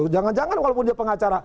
jangan jangan walaupun dia pengacara